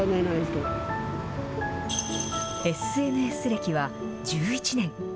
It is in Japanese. ＳＮＳ歴は１１年。